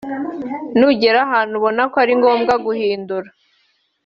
nugera ahantu ubona ko ari ngombwa guhindura